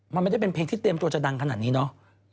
มันไม่ได้เป็นเพลงที่เตรียมตัวจะดังขนาดนี้เนาะ